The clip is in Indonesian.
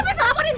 saya biar lepas